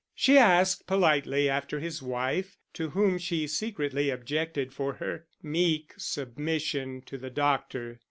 She asked politely after his wife, to whom she secretly objected for her meek submission to the doctor.